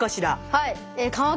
はい。